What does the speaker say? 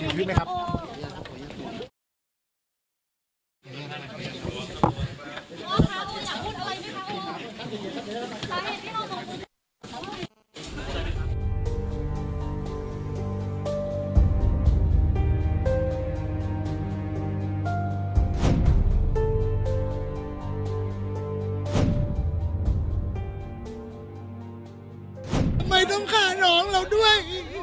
ทำไมต้องฆ่าน้องเราด้วย